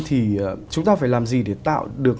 thì chúng ta phải làm gì để tạo được